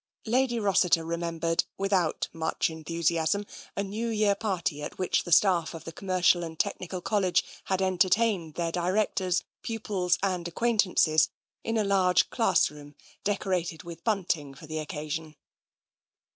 Lady Rossiter remembered, without much enthu siasm, a New Year party at which the staff of the Com mercial and Technical College had entertained their directors, pupils and acquaintances, in a large class room decorated with bunting for the occasion.